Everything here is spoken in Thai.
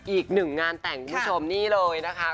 อีกหนึ่งงานแต่งคุณผู้ชมนี่เลยนะคะ